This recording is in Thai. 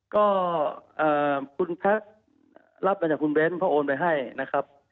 ก็คุณแท็กรับมาจากคุณเบ้นเพราะโอนไปให้นะครับ